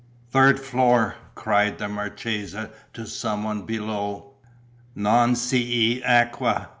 "Third floor!" cried the marchesa to some one below. "Non c'e acqua!"